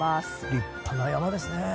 立派な山ですね。